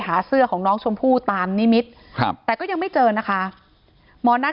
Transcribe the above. หาเสื้อของน้องชมพู่ตามนิมิตรครับแต่ก็ยังไม่เจอนะคะหมอนัท